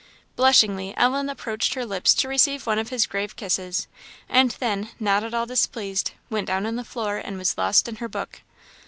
Blushingly Ellen approached her lips to receive one of his grave kisses; and then, not at all displeased, went down on the floor, and was lost in her book.